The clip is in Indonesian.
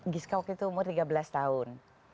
giska waktu itu umur tiga belas tahun